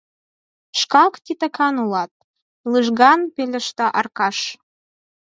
— Шкак титакан улат, — лыжган пелешта Аркаш.